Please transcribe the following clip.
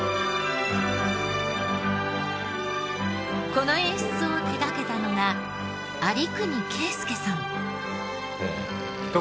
この演出を手掛けたのが有國恵介さん。